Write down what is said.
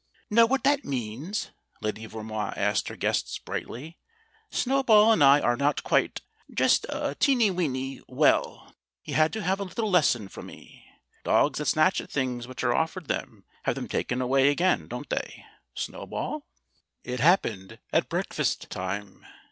"Know what that means?" Lady Vermoise asked her guests brightly. "Snowball and I are not quite just a teeny weeny well, he had to have a little lesson from me. Dogs that snatch at things which are offered them have them taken away again, don't they, Snow ball? It happened at breakfast time.